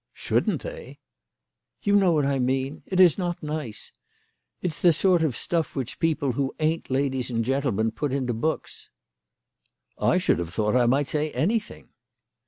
"Shouldn't they?" " You know what I mean. It is not nice. It's the sort of stuff which people who ain't ladies and gentlemen put into books." " I should have thought I might say anything."